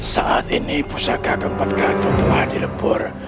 saat ini pusaka keempat kato telah dilebur